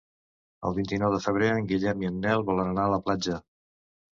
El vint-i-nou de febrer en Guillem i en Nel volen anar a la platja.